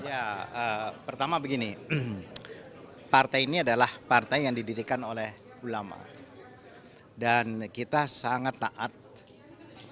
ya pertama begini partai ini adalah partai yang didirikan oleh ulama dan kita sangat taat